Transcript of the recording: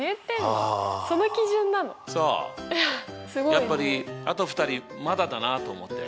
やっぱりあと２人まだだなと思って。